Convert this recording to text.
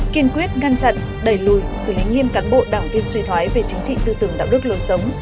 kiên quyết ngăn chặn đẩy lùi xử lý nghiêm cán bộ đảng viên suy thoái về chính trị tư tưởng đạo đức lâu sống